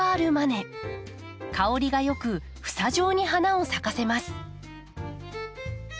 香りが良く房状に花を咲かせます。